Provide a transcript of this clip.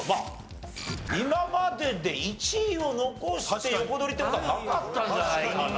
今までで１位を残して横取りって事はなかったんじゃないかな。